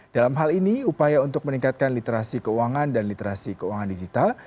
dalam hal ini upaya untuk meningkatkan literasi keuangan dan literasi keuangan digital